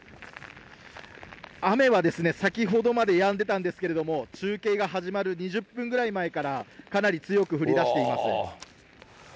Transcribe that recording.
雨はですね、先ほどまでやんでたんですけれども、中継が始まる２０分ぐらい前から、かなり強く降りだしています。